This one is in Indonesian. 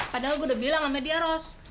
padahal aku udah bilang sama dia ros